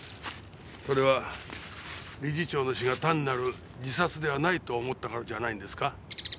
それは理事長の死が単なる自殺ではないと思ったからじゃないんですか？